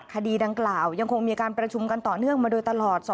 คดีดังกล่าวยังคงมีการประชุมกันต่อเนื่องมาโดยตลอด